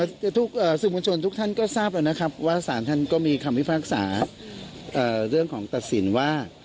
และทุกสิทธิบทุกทันก็ทราบแล้วนะครับว่าส่านท่านก็มีคำอิภาษาเรื่องของตัดสินว่า